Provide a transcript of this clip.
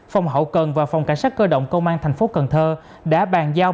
phòng hậu cần và phòng cảnh sát cơ động công an tp cn đã bàn giao